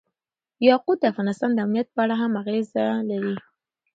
یاقوت د افغانستان د امنیت په اړه هم اغېز لري.